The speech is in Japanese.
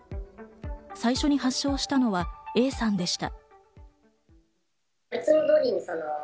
最初に発症したのはＡさんでした。